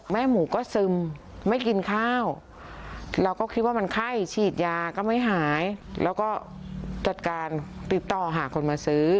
หมูก็ซึมไม่กินข้าวเราก็คิดว่ามันไข้ฉีดยาก็ไม่หายแล้วก็จัดการติดต่อหาคนมาซื้อ